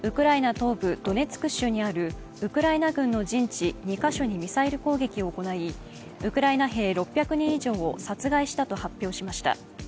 東部ドネツク州にあるウクライナ軍の陣地２か所にミサイル攻撃を行い、ウクライナ兵６００人以上を殺害したと発表しました。